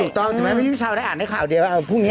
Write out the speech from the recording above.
ถูกต้อยถึงแม้ไม่ได้พี่เช้าได้อ่านได้ข่าวเดียว